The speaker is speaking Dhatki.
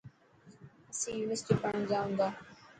اسين يونيورسٽي پڙهڻ جائون ٿا.